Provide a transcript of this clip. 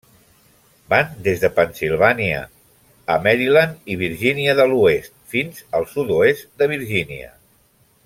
Van des de Pennsilvània, a Maryland i Virgínia de l'Oest, fins al sud-oest de Virgínia.